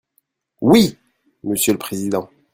Oui, monsieur le président.